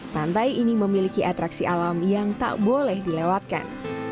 pantai ini memiliki atraksi alam yang tak boleh dilewatkan